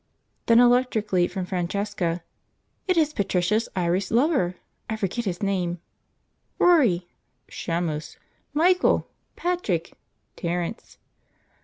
Then electrically from Francesca, "It is Patricia's Irish lover! I forget his name." "Rory!" "Shamus!" "Michael!" "Patrick!" "Terence!"